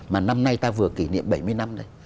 mà năm nay ta vừa kỷ niệm bảy mươi năm đấy